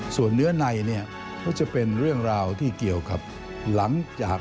ส่วนเนื้อในเนี่ยก็จะเป็นเรื่องราวที่เกี่ยวกับหลังจาก